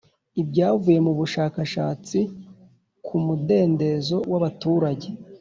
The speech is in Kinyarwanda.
Ibyavuye mu bushakashatsi k mudendezo w abaturage